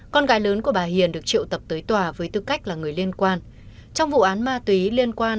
con gái lớn của bà hiền được triệu tập tới tòa với tư cách là người liên quan